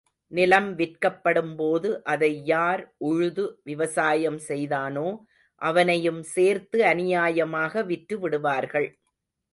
நிலம் விற்கப்படும் போது, அதை யார் உழுது விவசாயம் செய்தானோ அவனையும் சேர்த்து அநியாயமாக விற்றுவிடுவார்கள்.